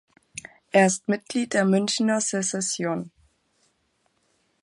Er ist Mitglied der Münchener Secession.